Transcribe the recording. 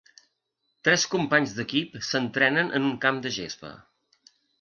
Tres companys d'equip s'entrenen en un camp de gespa.